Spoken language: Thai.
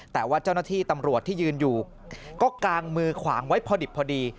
แต่ว่าเจ้าหน้าที่ตำรวจที่ยืนอยู่ก็กางมือขวางไว้พอดิบพอดี